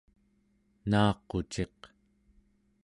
naaquciq